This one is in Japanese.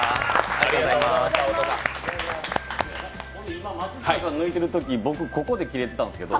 今松下さん抜いているとき、僕ここで切れてたんですけど